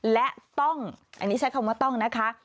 และต้องอันนี้ใช้คำว่าต้องนะคะ